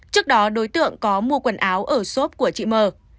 trước đó đối tượng có mua quần áo ở xốp của chị m